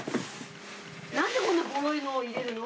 なんで、こんなぼろいのを入れるの？